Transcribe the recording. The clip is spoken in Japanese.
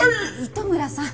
糸村さん